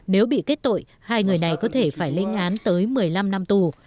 nếu bị kết tội hai người này có thể phải linh án tới một mươi năm năm tù